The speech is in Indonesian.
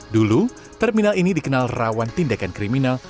dulu terminal ini dikenal rawan tindakan kriminal